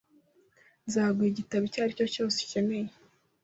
Nzaguha igitabo icyo ari cyo cyose ukeneye.